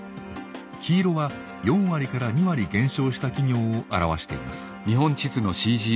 黄色は４割から２割減少した企業を表しています。